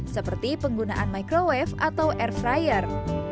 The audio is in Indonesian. seperti penggunaan microwave atau air fryer